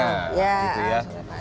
ya sesuai banyak